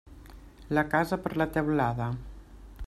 La casa per la teulada.